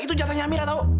itu jatahnya amira tau